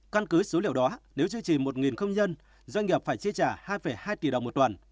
căn cứ số liệu đó nếu duy trì một công nhân doanh nghiệp phải chi trả hai hai tỷ đồng một tuần